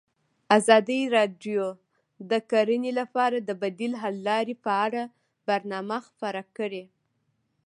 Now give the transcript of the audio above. ازادي راډیو د کرهنه لپاره د بدیل حل لارې په اړه برنامه خپاره کړې.